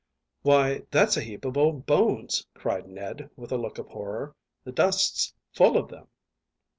"Why, that's a heap of old bones," cried Ned, with a look of horror; "the dust's full of them."